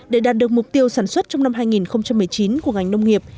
để đạt được mục tiêu sản xuất trong năm hai nghìn một mươi chín của ngành nông nghiệp